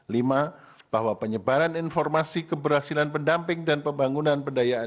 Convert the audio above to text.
lima bahwa penyebaran informasi keberhasilan pendamping dan pembangunan pendayaan